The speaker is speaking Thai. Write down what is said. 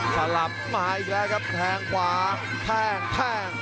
สลับมาอีกแล้วครับแทงขวาแทง